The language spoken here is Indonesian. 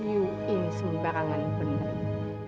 you inseng barangan penerima